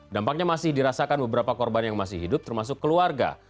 dampaknya masih dirasakan beberapa korban yang masih hidup termasuk keluarga